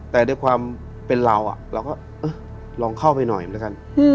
แต่ในความเป็นเราเราก็เอ๊ะลองเข้าไปหน่อยเหมือนกัน